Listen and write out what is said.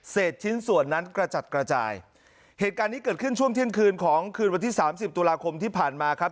ชิ้นส่วนนั้นกระจัดกระจายเหตุการณ์นี้เกิดขึ้นช่วงเที่ยงคืนของคืนวันที่สามสิบตุลาคมที่ผ่านมาครับ